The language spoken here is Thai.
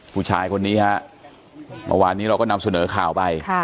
ผู้ชายคนนี้ฮะเมื่อวานนี้เราก็นำเสนอข่าวไป